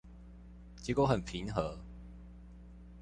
結果很平和